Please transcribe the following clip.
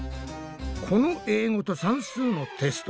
この英語と算数のテスト